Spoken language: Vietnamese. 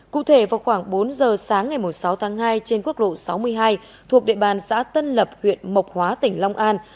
cụ thể vào khoảng bốn giờ sáng ngày sáu tháng hai trên quốc lộ sáu mươi hai thuộc địa bàn xã tân lập huyện mộc hóa tỉnh long an